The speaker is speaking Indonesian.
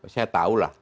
saya tahu lah